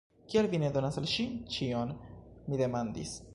Kial vi ne donas al ŝi ĉion? mi demandis.